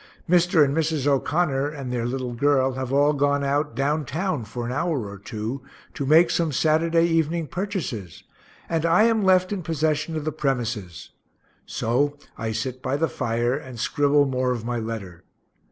Mr. and Mrs. O'Connor and their little girl have all gone out "down town" for an hour or two, to make some Saturday evening purchases, and I am left in possession of the premises so I sit by the fire, and scribble more of my letter.